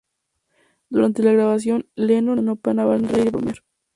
Durante la grabación, Lennon y Harrison no paraban de reír y bromear.